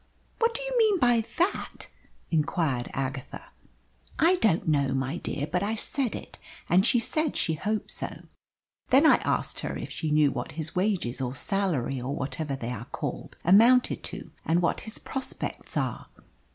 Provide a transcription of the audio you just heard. "What do you mean by THAT?" inquired Agatha. "I don't know, my dear, but I said it. And she said she hoped so. Then I asked her if she knew what his wages or salary, or whatever they are called, amounted to, and what his prospects are.